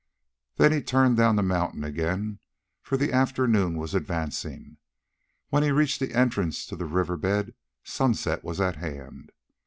Then he turned down the mountain again, for the afternoon was advancing. When he reached the entrance to the river bed sunset was at hand.